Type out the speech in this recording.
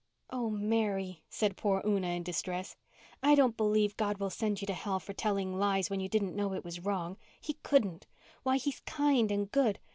"Oh, Mary," said poor Una in distress. "I don't believe God will send you to hell for telling lies when you didn't know it was wrong. He couldn't. Why, He's kind and good.